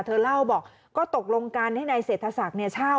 เธอเล่าบอกก็ตกลงกันให้นายเศรษฐศักดิ์เช่า